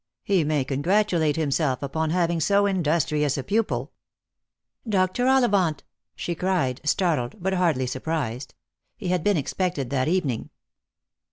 He may congratulate himself upon having so industrious a pupil." " Dr. Ollivant !" she cried, startled, but hardly surprised. He had been expected that evening.